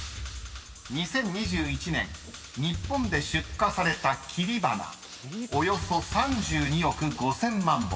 ［２０２１年日本で出荷された切り花およそ３２億５，０００万本］